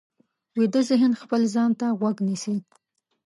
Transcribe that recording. ویده ذهن خپل ځان ته غوږ نیسي